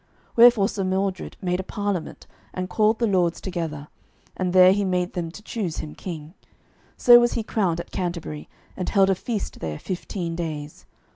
Wherefore Sir Mordred made a Parliament, and called the lords together, and there he made them to choose him king. So was he crowned at Canterbury, and held a feast there fifteen days.